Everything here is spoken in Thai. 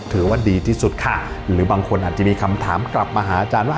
ถือว่าดีที่สุดค่ะหรือบางคนอาจจะมีคำถามกลับมาหาอาจารย์ว่า